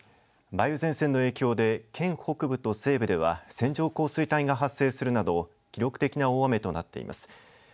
梅雨前線の影響で県北部と西部では線状降水帯が発生するなど記録的な大雨となっています。